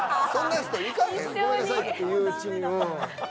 「ごめんなさい」って言ううちにうん